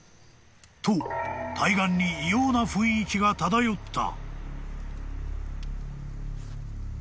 ［と対岸に異様な雰囲気が漂った］